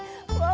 aduh aduh aduh